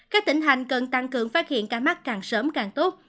các tỉnh thành cần tăng cường phát hiện ca mắc càng sớm càng tốt